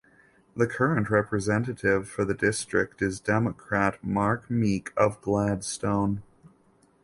The current representative for the district is Democrat Mark Meek of Gladstone.